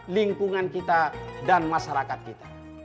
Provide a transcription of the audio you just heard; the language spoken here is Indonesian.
lingkungan kita dan masyarakat kita